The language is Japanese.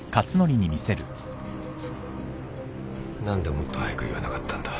何でもっと早く言わなかったんだ